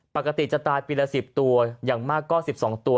ปกติจะตายปีละ๑๐ตัวอย่างมากก็๑๒ตัว